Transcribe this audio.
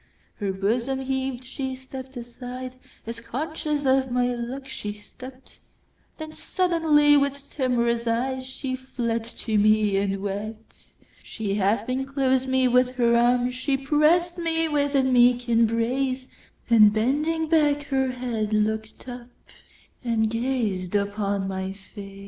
Her bosom heaved—she stepp'd aside, As conscious of my look she stept—Then suddenly, with timorous eyeShe fled to me and wept. She half enclosed me with her arms, She press'd me with a meek embrace; And bending back her head, look'd up, And gazed upon my face.